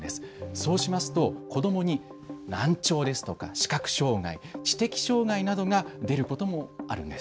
そうしますと子どもに難聴、視覚障害、知的障害などが出ることもあるんです。